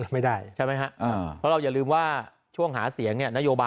ไม่ได้ใช่ไหมฮะเพราะเราอย่าลืมว่าช่วงหาเสียงเนี่ย